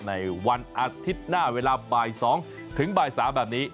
ในวันอาทิตย์หน้าเวลาบ่าย๒ถึงบ่าย๓แบบนี้